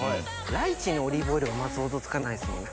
ライチにオリーブオイルが想像つかないですもんね。